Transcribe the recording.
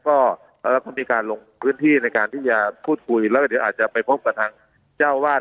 ก็มีการลงพื้นที่ในการที่จะพูดคุยแล้วก็เดี๋ยวอาจจะไปพบกับทางเจ้าวาด